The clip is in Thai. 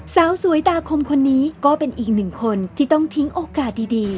สาวสวยตาคมคนนี้ก็เป็นอีกหนึ่งคนที่ต้องทิ้งโอกาสดี